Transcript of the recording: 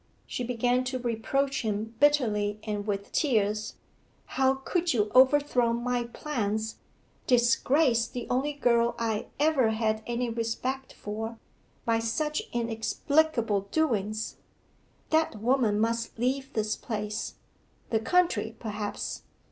She began to reproach him bitterly, and with tears. 'How could you overthrow my plans, disgrace the only girl I ever had any respect for, by such inexplicable doings!... That woman must leave this place the country perhaps.